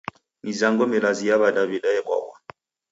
Mizango milazi ya w'adaw'ida ebwaghwa.